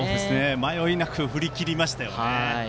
迷いなく振り切りましたね。